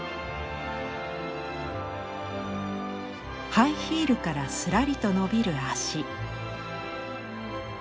ハイヒールからすらりと伸びる脚。